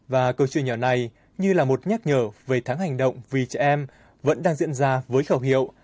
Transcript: và câu chuyện nhỏ này như là một nhắc nhở về tháng hành động vì trẻ em vẫn đang diễn ra với khẩu hiệu